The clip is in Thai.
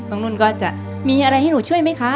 นุ่นก็จะมีอะไรให้หนูช่วยไหมคะ